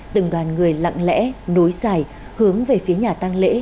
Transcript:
từng đoàn người lặng lẽ nối dài hướng về phía nhà tăng lễ